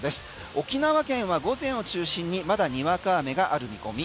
沖縄県は午前を中心にまだにわか雨がある見込み。